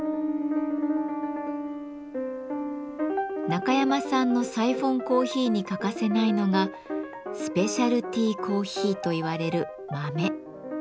中山さんのサイフォンコーヒーに欠かせないのが「スペシャルティコーヒー」といわれる豆。